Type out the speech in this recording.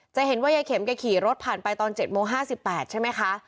จะเห็นว่ายายเข็มแกขี่รถผ่านไปตอน๗โมง๕๘ใช่ไหมคะ